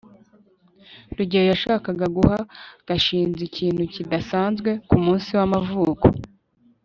rugeyo yashakaga guha gashinzi ikintu kidasanzwe kumunsi w'amavuko